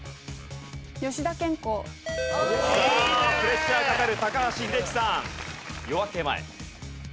さあプレッシャーがかかる高橋英樹さん！